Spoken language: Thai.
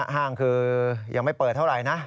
ห้างคือยังไม่เปิดเท่าไหร่นะ